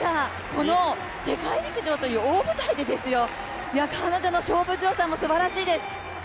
この世界陸上という大舞台でですよ、彼女の勝負強さもすばらしいです。